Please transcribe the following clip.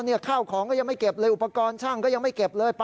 ข้าวของก็ยังไม่เก็บเลยอุปกรณ์ช่างก็ยังไม่เก็บเลย